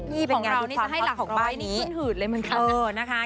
พี่ของเรานี่จะให้หลักของบ้านนี้ขึ้นหืดเลยเหมือนกัน